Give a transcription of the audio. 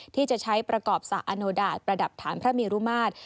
ที่จะใช้ประกอบสระอโนดาตประดับฐานพระเมรุมาตร